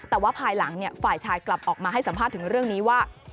แต่ว่าภายหลังฝ่ายชายกลับออกมาให้สัมภาษณ์ถึงเรื่องนี้ว่า